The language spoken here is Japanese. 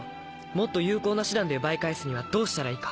もっと有効な手段で奪い返すにはどうしたらいいか。